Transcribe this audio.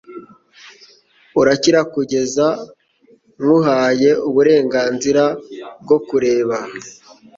urakira kugeza nkuhaye uburenganzira bwo kureba